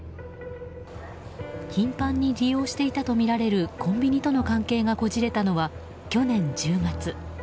頻繁に利用していたとみられるコンビニとの関係がこじれたのは去年１０月。